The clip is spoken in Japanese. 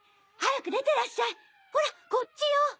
早く出てらっしゃいほらこっちよ！